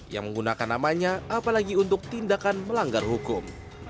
yang menggunakan namanya apalagi untuk tindakan melanggar hukum